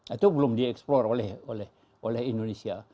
itu belum dieksplor oleh indonesia